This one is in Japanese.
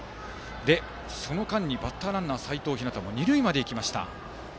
その間にバッターランナーの齋藤陽も二塁まで行きました。